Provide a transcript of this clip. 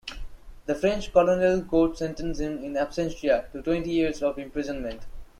The French colonial court sentenced him "in absentia" to twenty years of imprisonment.